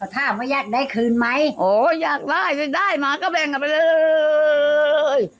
ถ้าไม่ยากได้คืนไหมโอ้ยอยากได้ได้มาก็แบ่งกันไปเลย